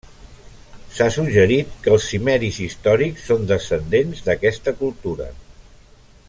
S'ha suggerit que els cimmeris històrics són descendents d'aquesta cultura.